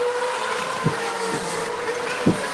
আমার লোকেরাও উদ্বোধনী অনুষ্ঠানের আয়োজন করেছে।